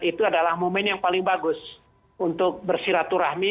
itu adalah momen yang paling bagus untuk bersiraturahmi